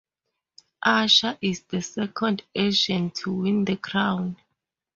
Asha is the second Asian to win the crown.